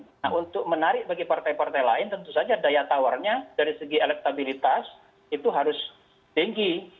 nah untuk menarik bagi partai partai lain tentu saja daya tawarnya dari segi elektabilitas itu harus tinggi